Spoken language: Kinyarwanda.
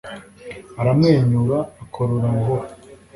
Aramwenyura akorora buhoro